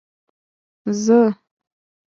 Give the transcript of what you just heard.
زه.